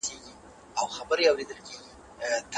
امام نووي د ماشومانو په اړه څه فرمايلي دي؟